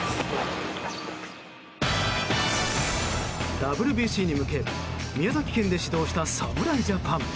ＷＢＣに向け宮崎県で始動した侍ジャパン。